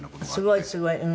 すごいすごい。